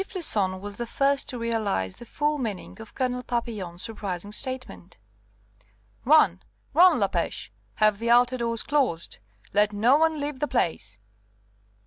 Floçon was the first to realize the full meaning of Colonel Papillon's surprising statement. "Run, run, La Pêche! Have the outer doors closed; let no one leave the place."